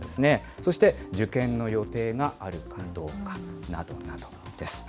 そして受験の予定があるかどうかなどなどです。